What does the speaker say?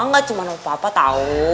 gak cuma mau papa tau